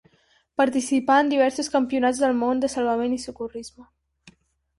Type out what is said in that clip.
Participà en diversos campionats del món de salvament i socorrisme.